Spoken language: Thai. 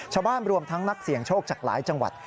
ชาวบ้านรวมทั้งนักเสียงโชคจากหลายจังหวัด